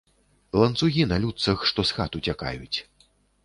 Ланцугі на людцах, што з хат уцякаюць.